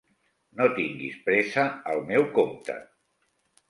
No tinguis pressa al meu compte.